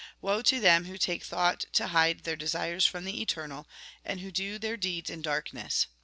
Woe to them who take thought to hide their desires from the Eternal, and who do their deeds in dark ness.'